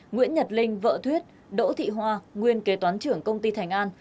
nguyễn nhật linh vợ thuyết đỗ thị hoa nguyên kế toán trưởng công ty thành an